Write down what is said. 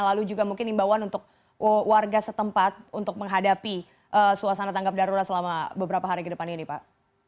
lalu juga mungkin imbauan untuk warga setempat untuk menghadapi suasana tangkap darurat selama beberapa hari ke depan ini pak